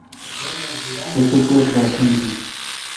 تسے ٹپ لاشین این۔